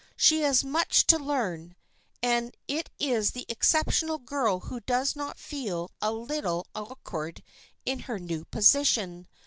She has much to learn, and it is the exceptional girl who does not feel a little awkward in her new position.